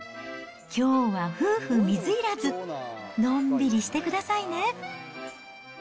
きょうは夫婦水入らず、のんびりしてくださいね。